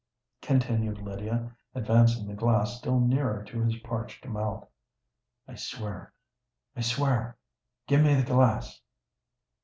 continued Lydia, advancing the glass still nearer to his parched mouth. "I swear—I swear! Give me the glass."